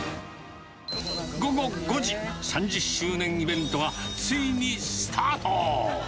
午後５時、３０周年イベントがついにスタート。